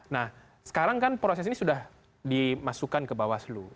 nah sekarang kan proses ini sudah dimasukkan ke bawaslu